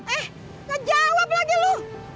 eh jawab lagi lu